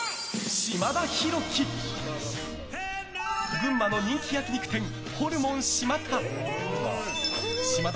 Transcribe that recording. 群馬の人気焼き肉店ホルモンしま田。